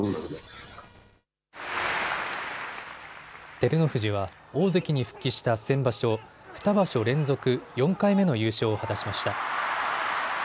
照ノ富士は大関に復帰した先場所、２場所連続４回目の優勝を果たしました。